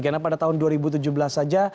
karena pada tahun dua ribu tujuh belas saja